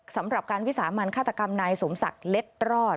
สำหรับการวิสามันฆาตกรรมนายสมศักดิ์เล็ดรอด